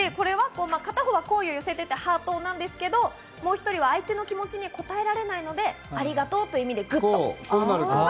片方は好意を寄せていてハートなんですけど、もう１人は相手の気持ちにこたえられないので、ありがとうという意味でグッド。